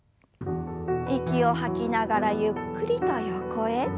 息を吐きながらゆっくりと横へ。